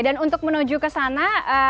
dan untuk menuju ke sana